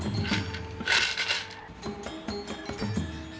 kain tenun geringsing